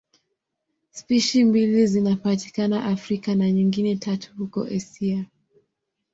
Spishi mbili zinapatikana Afrika na nyingine tatu huko Asia.